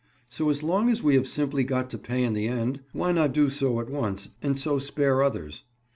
So as long as we have simply got to pay in the end, why not do so at once and so spare others?